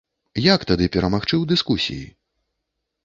Як тады перамагчы ў дыскусіі?